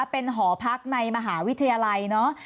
เป็นหอพักในมหาวิทยาลัยเนอะ